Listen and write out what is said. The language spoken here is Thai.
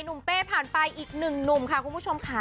เป้ผ่านไปอีกหนึ่งหนุ่มค่ะคุณผู้ชมค่ะ